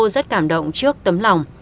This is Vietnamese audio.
sư cô rất cảm động trước tấm lòng